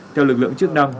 theo lực lượng chức năng